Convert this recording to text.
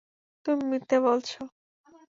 তুমি মিথ্যে বলছ!